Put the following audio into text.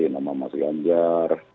nama mas ganjar